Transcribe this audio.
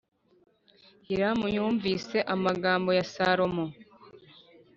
Hiramu yumvise amagambo ya Salomo